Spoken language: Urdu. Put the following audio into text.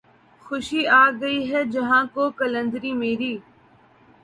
خوش آ گئی ہے جہاں کو قلندری میری